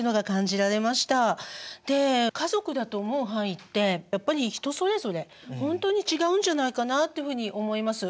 で家族だと思う範囲ってやっぱり人それぞれほんとに違うんじゃないかなってふうに思います。